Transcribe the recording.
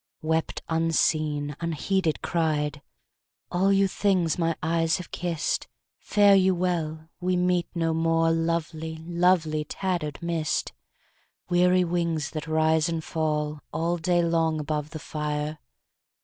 Wept unseen, unheeded cried, "All you things my eyes have kissed, Fare you well! We meet no more, Lovely, lovely tattered mist! Weary wings that rise and fall All day long above the fire!"